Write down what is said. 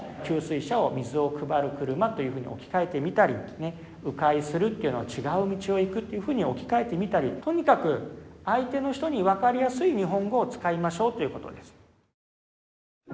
「給水車」を「水をくばる車」というふうに置き換えてみたりね「う回する」というのを「ちがう道をいく」っていうふうに置き換えてみたりとにかく相手の人に分かりやすい日本語を使いましょうということです。